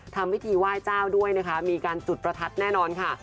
ทำพิธีไหว้เจ้าด้วยนะคะมีการจุดประทัดแน่นอนค่ะ